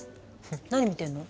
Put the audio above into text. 何見てるの？